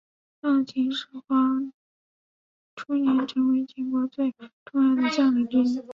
到秦始皇初年成为了秦国最重要的将领之一。